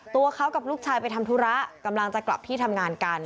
ตัวเขากับลูกชายไปทำธุระกำลังจะกลับที่ทำงานกัน